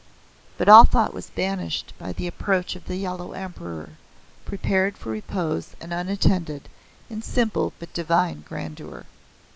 But all thought was banished by the approach of the Yellow Emperor, prepared for repose and unattended, in simple but divine grandeur.